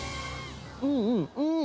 うんうん、うん。